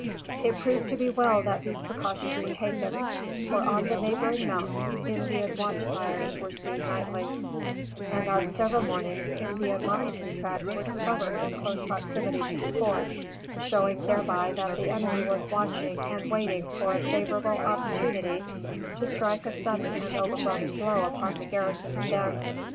It proved to be well that these precautions were taken; for, on the neighboring mountains, Indian watch fires were seen nightly; and, on several mornings, Indian moccasin tracks were discovered in close proximity to the fort, showing thereby that the enemy was watching and waiting for a favorable opportunity to strike a sudden and overwhelming blow upon the garrison within.